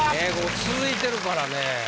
続いてるからね。